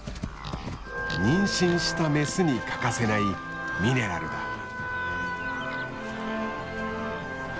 妊娠したメスに欠かせないミネラルだ。